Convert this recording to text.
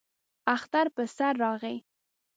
اختر پر سر راغی.